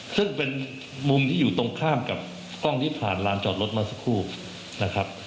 ซึ่งเป็นมุมที่อยู่ตรงข้ามกับกล้องที่ผ่านลานจอดรถมาสักครู่นะครับ